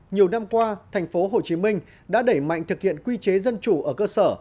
nhiều năm qua thành phố hồ chí minh đã đẩy mạnh thực hiện quy chế dân chủ ở cơ sở